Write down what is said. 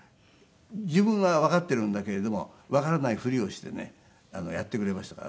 自分はわかっているんだけれどもわからないふりをしてねやってくれましたからね。